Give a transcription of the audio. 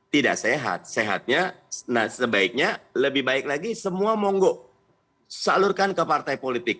tidak sehat sehatnya nah sebaiknya lebih baik lagi semua monggo salurkan ke partai politik